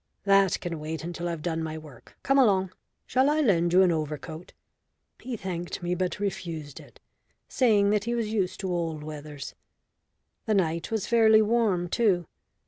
"That can wait until I've done my work. Come along. Shall I lend you an overcoat?" He thanked me but refused it, saying that he was used to all weathers. The night was fairly warm too.